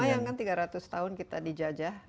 lumayan kan tiga ratus tahun kita dijajah